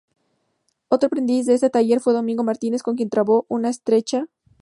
Otro aprendiz de ese taller fue Domingo Martínez, con quien trabó una estrecha amistad.